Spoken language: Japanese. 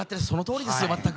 そのとおりです。